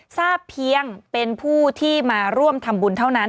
ทราบเพียงเป็นผู้ที่มาร่วมทำบุญเท่านั้น